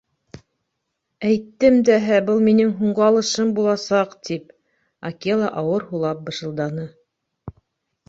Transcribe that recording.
— Әйттем дәһә, был минең һуңғы алышым буласаҡ тип, — Акела ауыр һулап бышылданы.